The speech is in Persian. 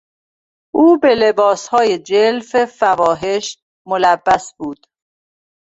او به لباسهای جلف فواحش ملبس بود.